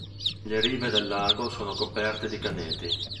Le rive del lago sono coperte di canneti.